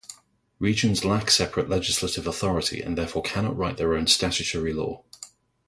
Regions lack separate legislative authority and therefore cannot write their own statutory law.